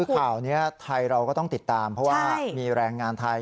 คือข่าวนี้ไทยเราก็ต้องติดตามเพราะว่ามีแรงงานไทย